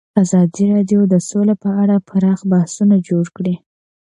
ازادي راډیو د سوله په اړه پراخ بحثونه جوړ کړي.